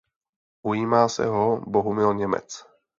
Ujímá se ho Bohumil Němec.